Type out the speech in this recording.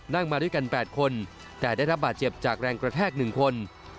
มาด้วยกัน๘คนแต่ได้รับบาดเจ็บจากแรงกระแทก๑คน